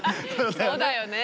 そうだよね。